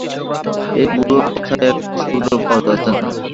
এই বুড়োর কথায় একটা সূত্র পাওয়া যাচ্ছে।